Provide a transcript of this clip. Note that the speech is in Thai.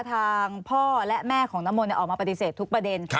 ทางพ่อและแม่ของน้ำมนต์ออกมาปฏิเสธทุกประเด็น